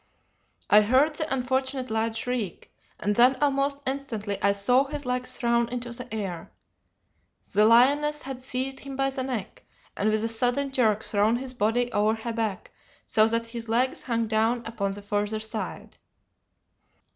"I heard the unfortunate lad shriek, and then almost instantly I saw his legs thrown into the air. The lioness had seized him by the neck, and with a sudden jerk thrown his body over her back so that his legs hung down upon the further side.